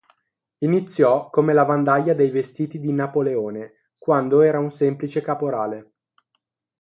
Iniziò come lavandaia dei vestiti di Napoleone quando era un semplice caporale.